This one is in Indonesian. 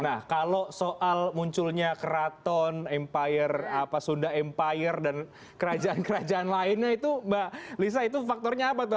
nah kalau soal munculnya keraton empire apa sunda empire dan kerajaan kerajaan lainnya itu mbak lisa itu faktornya apa tuh